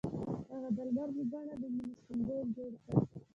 هغه د لمر په بڼه د مینې سمبول جوړ کړ.